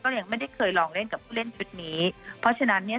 ยังไม่ได้เคยลองเล่นกับผู้เล่นชุดนี้เพราะฉะนั้นเนี่ย